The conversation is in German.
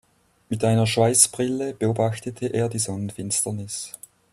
Mit einer Schweißbrille beobachtete er die Sonnenfinsternis.